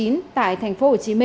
nguyên phó giám đốc scb